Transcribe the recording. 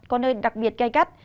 có nơi đặc biệt cay cắt